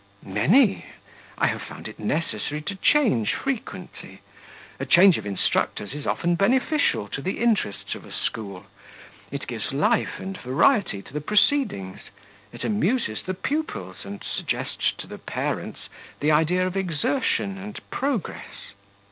"Many; I have found it necessary to change frequently a change of instructors is often beneficial to the interests of a school; it gives life and variety to the proceedings; it amuses the pupils, and suggests to the parents the idea of exertion and progress."